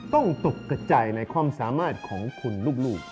ตกกระจายในความสามารถของคุณลูก